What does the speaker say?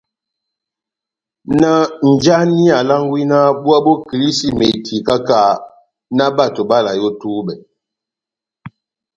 náh njáni alángwí náh búwá bó kilísímeti káha-káha, náh bato báláyeni ó túbɛ?